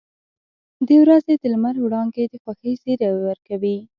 • د ورځې د لمر وړانګې د خوښۍ زیری ورکوي.